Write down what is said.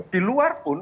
di luar pun